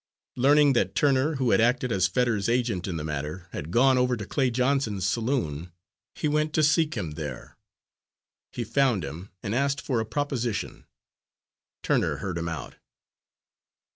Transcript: Learning that Turner, who had acted as Fetters's agent in the matter, had gone over to Clay Johnson's saloon, he went to seek him there. He found him, and asked for a proposition. Turner heard him out.